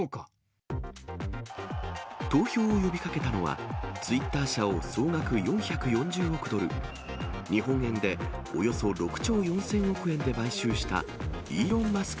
投票を呼びかけたのは、ツイッター社を総額４４０億ドル、日本円でおよそ６兆４０００億円で買収した、イーロン・マスク